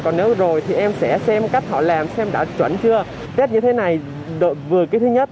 còn nếu rồi thì em sẽ xem cách họ làm xem đã chuẩn chưa tết như thế này vừa cái thứ nhất